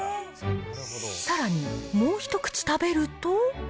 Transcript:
さらに、もう一口食べると。